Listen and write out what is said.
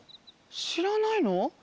しらないの？